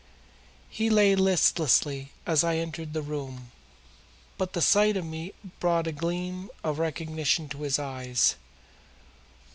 He lay listlessly as I entered the room, but the sight of me brought a gleam of recognition to his eyes.